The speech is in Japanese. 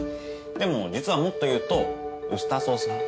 でも実はもっというとウスターソース派。